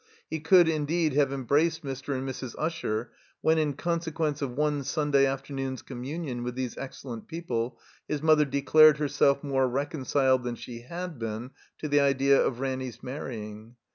He could, indeed, have embraced Mr. and Mrs. Usher when, in consequence of one Sun day afternoon's comimtmion with these excellent people, his mother declared herself more reconciled than she had been to the idea of Ranny's marrying.